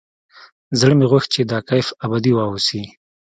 زړه مې غوښت چې دا کيف ابدي واوسي.